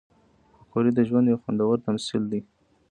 پکورې د ژوند یو خوندور تمثیل دی